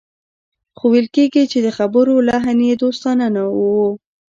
خو ويل کېږي چې د خبرو لحن يې دوستانه و.